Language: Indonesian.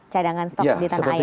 cadangan stok di tanah air